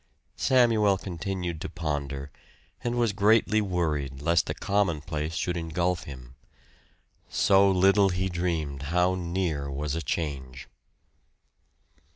Samuel continued to ponder, and was greatly worried lest the commonplace should ingulf him. So little he dreamed how near was a change!